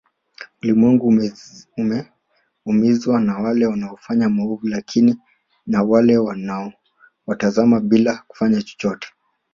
Ulimwengu umeumizwa na wale wanaofanya maovu lakini na wale wanaowatazama bila kufanya chochote